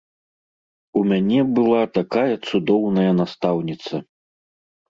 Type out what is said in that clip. У мяне была такая цудоўная настаўніца.